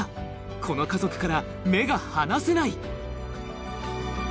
この家族から目が離せない！